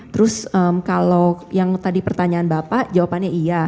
terus kalau yang tadi pertanyaan bapak jawabannya iya